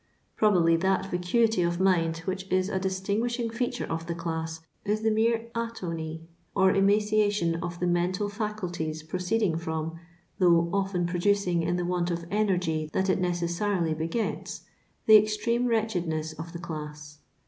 Probably that racuity of mind which is a distinguishing feature of the class is the mere Atony or emaciation of the mental fiwulties pro ceeding from — though often producing in the want of energy that it necessarily begets — the extreme wretchedness of the cUss.